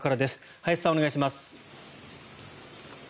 林さん、お願いします。